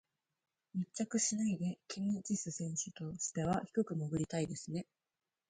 密着しないでキム・ジス選手としては低く潜りたいですね。